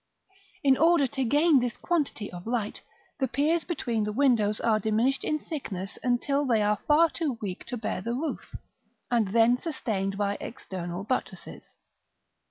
In order to gain this quantity of light, the piers between the windows are diminished in thickness until they are far too weak to bear the roof, and then sustained by external buttresses.